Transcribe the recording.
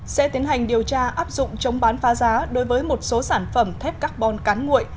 sẽ tiến hành điều tra áp dụng chống bán phá giá đối với một số sản phẩm thép carbon cán nguội